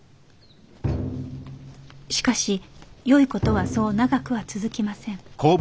しかしよい事はそう長くは続きません